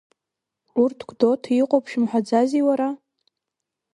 Урҭ Гәдоуҭа иҟоуп шәымҳәаӡази, уара?